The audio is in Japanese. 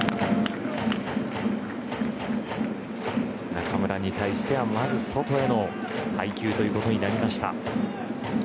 中村に対してはまず外への配球ということになりました。